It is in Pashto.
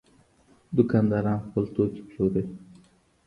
دوکانداران خپل توکي پلوري.